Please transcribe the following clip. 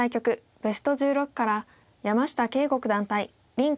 ベスト１６から山下敬吾九段対林漢